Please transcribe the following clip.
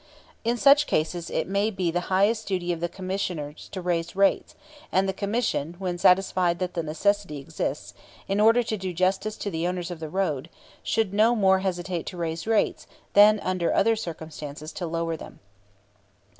In such a case it may be the highest duty of the commission to raise rates; and the commission, when satisfied that the necessity exists, in order to do justice to the owners of the road, should no more hesitate to raise rates, than under other circumstances to lower them.